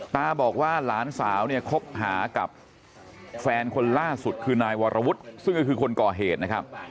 ตาบอกว่าหลานสาวเนี่ยคบหากับแฟนคนล่าสุดคือนายวรวุฒิซึ่งก็คือคนก่อเหตุนะครับ